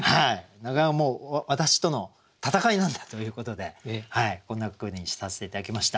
私との戦いなんだということでこんな句にさせて頂きました。